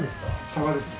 サバです。